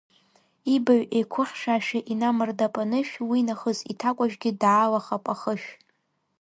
Ибаҩ еиқәыхьшәашәа инамардап анышә, уи нахыс иҭакәажәгьы даалахап ахышә…